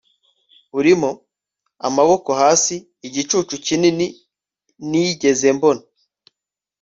urimo, amaboko hasi, igicucu kinini nigeze mbona